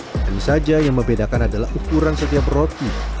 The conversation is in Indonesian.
tapi saja yang membedakan adalah ukuran setiap roti